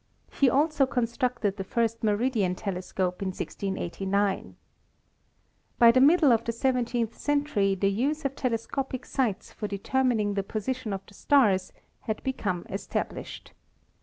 He also constructed the first meridian telescope in 1689. By. the middle of the seventeenth century the use of telescopic sights for determining the position of the stars had become established.